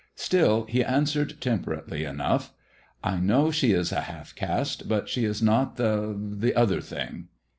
Still, he answered temperately enough —" I know she is a half caste, but she is not the — the other thing."